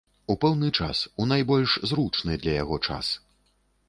У пэўны час, у найбольш зручны для яго час.